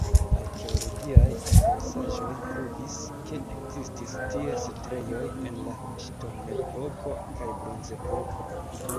Arkeologiaj elfosaĵoj pruvis, ke ekzistis tie setlejoj en la ŝtonepoko kaj bronzepoko.